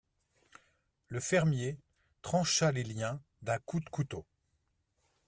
Le fermier trancha les liens d'un coup de couteau.